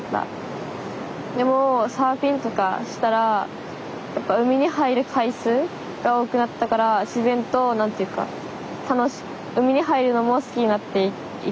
でもサーフィンとかしたら海に入る回数が多くなったから自然と海に入るのも好きになっていきました。